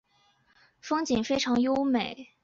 风景非常优美。